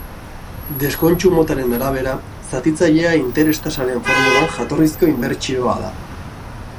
Deskontu motaren arabera, zatitzailea interes-tasaren formulan, jatorrizko inbertsioa da.